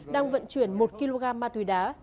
đang vận chuyển một kg ma túy đá